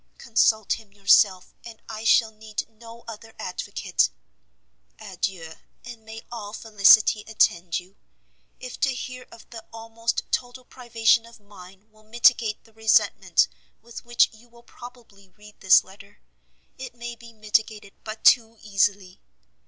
Consult him yourself, and I shall need no other advocate. Adieu, and may all felicity attend you! if to hear of the almost total privation of mine, will mitigate the resentment with which you will probably read this letter, it may be mitigated but too easily!